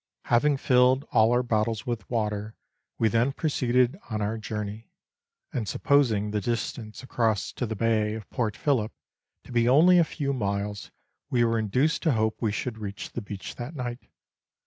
Having filled all our bottles with water, we then proceeded on our journey ; and, supposing the distance across to the bay of Port Phillip to be only a few miles, we were induced to hope we should reach the beach that night.